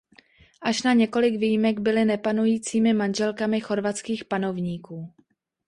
Až na několik výjimek byly nepanujícími manželkami chorvatských panovníků.